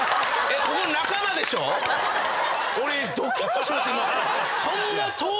俺ドキっとしました今。